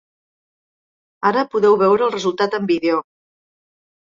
Ara podeu veure el resultat en vídeo.